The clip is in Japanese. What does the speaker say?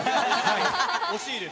惜しいです。